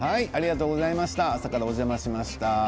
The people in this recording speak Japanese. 朝からお邪魔しました。